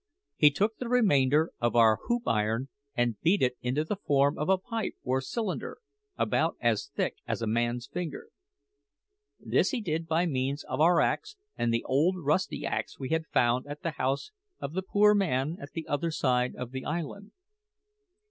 He took the remainder of our hoop iron and beat it into the form of a pipe or cylinder, about as thick as a man's finger. This he did by means of our axe and the old rusty axe we had found at the house of the poor man at the other side of the island.